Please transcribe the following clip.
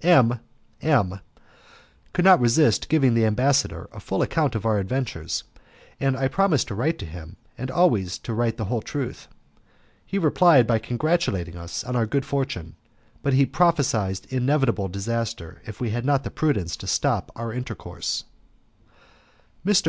M M could not resist giving the ambassador a full account of our adventures, and I had promised to write to him, and always to write the whole truth. He replied by congratulating us on our good fortune, but he prophesied inevitable disaster if we had not the prudence to stop our intercourse. Mr.